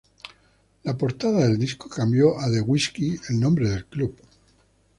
La portada del disco cambió a "The Whisky" el nombre del club.